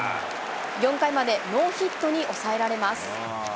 ４回までノーヒットに抑えられます。